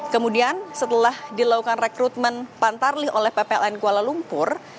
kemudian setelah dilakukan rekrutmen pantarlih oleh ppln kuala lumpur